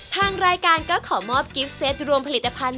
ทางรายการก็ขอมอบกิฟต์เซตรวมผลิตภัณฑ์